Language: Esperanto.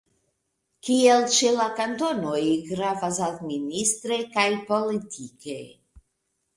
Kiel ĉe la kantonoj, gravas administre kaj politike.